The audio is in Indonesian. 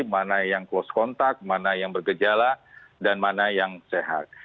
mana yang close contact mana yang bergejala dan mana yang sehat